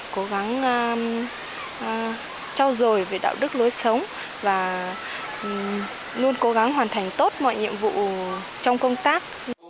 cố gắng trao dồi về đạo đức lối sống và luôn cố gắng hoàn thành tốt mọi nhiệm vụ trong công tác